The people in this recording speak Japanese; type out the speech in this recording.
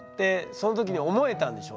その時に思えたんでしょうね。